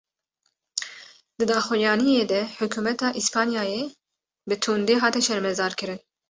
Di daxuyaniyê de hukûmeta Îspanyayê, bi tundî hate şermezarkirin